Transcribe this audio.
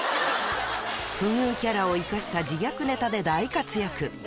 不遇キャラを生かした自虐ネタで大活躍。